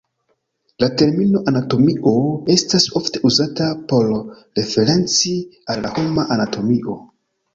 La termino "anatomio" estas ofte uzata por referenci al la homa anatomio.